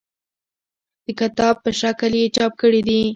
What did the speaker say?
د کتاب په شکل یې چاپ کړي دي.